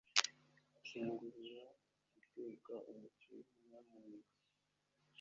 zingurura guteka umuceri, nyamuneka